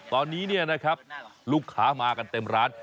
ตอนนี้ลูกค้ามากันเต็มร้าน